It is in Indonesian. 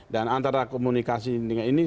dan antara komunikasi tingkat kementerian terkait